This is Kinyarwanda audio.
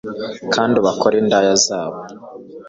Kandi ubakore indaya zabo